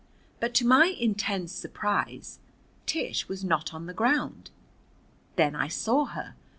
But to my intense surprise Tish was not on the ground. Then I saw her.